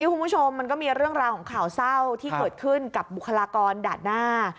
คุณผู้ชมมันก็มีเรื่องราวของข่าวเศร้าที่เกิดขึ้นกับบุคลากรด่านหน้า